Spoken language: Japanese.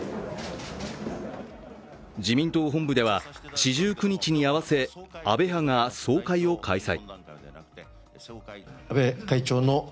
自民党本部では四十九日に合わせ安倍派が総会を開催。